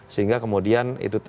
sehingga kemudian itu